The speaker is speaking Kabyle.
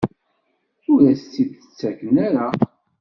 Ur as-tt-id-ttaken ara?